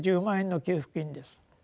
１０万円の給付金です。